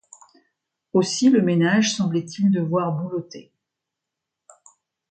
Aussi le ménage semblait-il devoir boulotter.